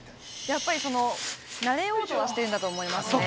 やっぱりなれようとはしてるんだと思いますね。